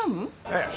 ええ。